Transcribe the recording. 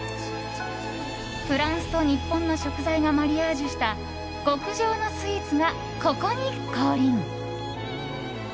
フランスと日本の食材がマリアージュした極上のスイーツがここに降臨。